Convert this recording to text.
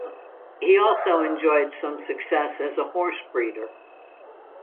He also enjoyed some success as a horse-breeder.